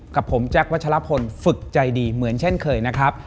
กับผมแจ๊ควัชลพลฝึกใจดีเหมือนเช่นเคยนะครับ